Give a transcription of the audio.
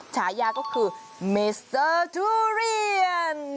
ฉายาก็คือเมสเตอร์ทุเรียน